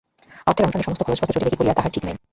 অর্থের অনটনে সমস্ত খরচপত্র চলিবে কী করিয়া তাহার ঠিক নাই।